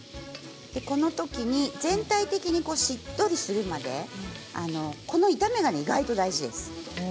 このときに全体的にしっとりするまでこの炒めが意外と大事です。